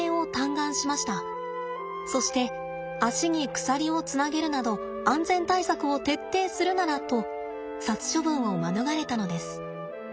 そして肢に鎖をつなげるなど安全対策を徹底するならと殺処分を免れたのです。